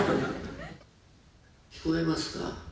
聞こえますか？